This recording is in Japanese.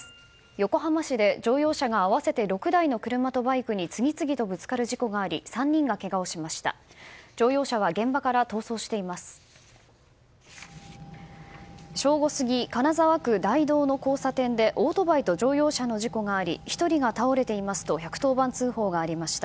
横浜市で乗用車が合わせて６台の車とバイクに次々とぶつかる事故があり３人がけがをしました。